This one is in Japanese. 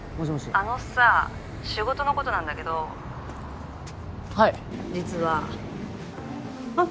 あのさ☎仕事のことなんだけどはい実はあっ